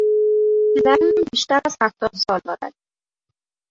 پدرم بیشتر از هفتاد سال دارد.